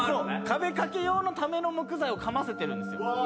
壁掛け用のための木材をかませてるんですよ。